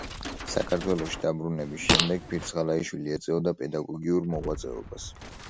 საქართველოში დაბრუნების შემდეგ ფირცხალაიშვილი ეწეოდა პედაგოგიურ მოღვაწეობას.